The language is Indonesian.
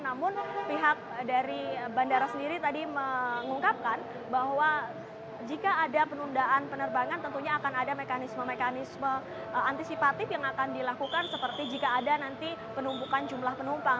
namun pihak dari bandara sendiri tadi mengungkapkan bahwa jika ada penundaan penerbangan tentunya akan ada mekanisme mekanisme antisipatif yang akan dilakukan seperti jika ada nanti penumpukan jumlah penumpang